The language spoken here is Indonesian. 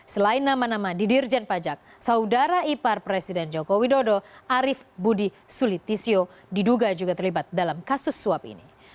selain nama nama di dirjen pajak saudara ipar presiden joko widodo arief budi sulitisio diduga juga terlibat dalam kasus suap ini